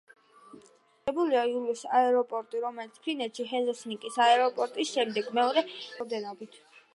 ოულუში განლაგებულია ოულუს აეროპორტი, რომელიც ფინეთში, ჰელსინკის აეროპორტის შემდეგ, მეორეა გადაყვანილი მგზავრების რაოდენობით.